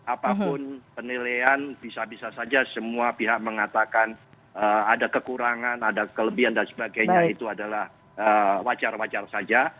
apapun penilaian bisa bisa saja semua pihak mengatakan ada kekurangan ada kelebihan dan sebagainya itu adalah wajar wajar saja